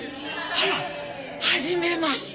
あらはじめまして。